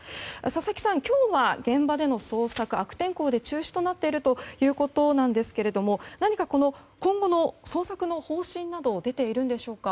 佐々木さん、今日は現場での捜索悪天候で中止となっているということですけれども何か今後の捜索の方針などは出ているのでしょうか。